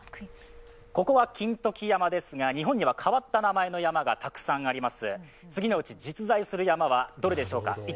ここは金時山ですが、日本には変わった名前の山が牧場から食卓まで。